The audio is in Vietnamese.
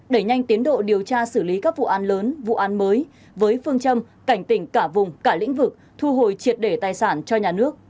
đẩy nhanh tiến độ điều tra xử lý các vụ an lớn vụ án mới với phương châm cảnh tỉnh cả vùng cả lĩnh vực thu hồi triệt để tài sản cho nhà nước